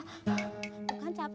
bukan capek pak